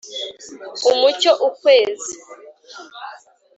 umucyo ukwezi